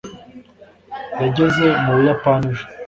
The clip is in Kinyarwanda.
yageze mu buyapani ejo